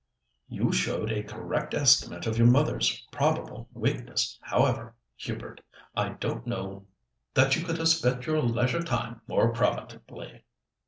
"You showed a correct estimate of your mother's probable weakness, however, Hubert. I don't know that you could have spent your leisure time more profitably."